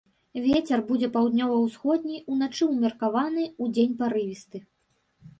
Вецер будзе паўднёва-ўсходні, уначы ўмеркаваны, удзень парывісты.